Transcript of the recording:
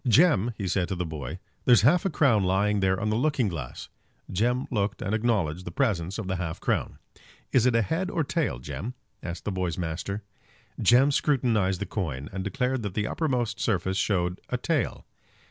"Jem," he said to the boy, "there's half a crown lying there on the looking glass." Jem looked and acknowledged the presence of the half crown. "Is it a head or a tail, Jem?" asked the boy's master. Jem scrutinized the coin, and declared that the uppermost surface showed a tail.